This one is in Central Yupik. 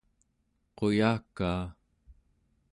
quyakaa